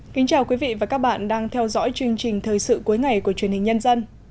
xin chào quý vị và các bạn đang theo dõi chương trình thời sự cuối ngày của truyền hình nhân dân